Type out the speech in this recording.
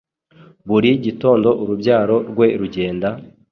Buri gitondo urubyaro rwe rugenda